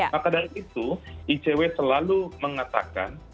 maka dari itu icw selalu mengatakan